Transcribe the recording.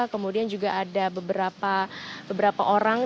kemudian juga ada beberapa orang